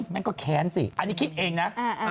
มันก็แขนสิอันนี้คิดเองนะ